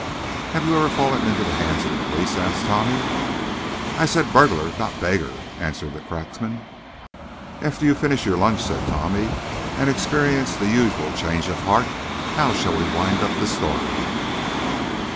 "Have you ever fallen into the hands of the police?" asked Tommy. "I said 'burglar,' not 'beggar,'" answered the cracksman. "After you finish your lunch," said Tommy, "and experience the usual change of heart, how shall we wind up the story?"